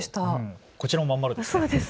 こちらも真ん丸ですね。